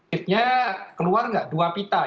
eatnya keluar nggak dua pita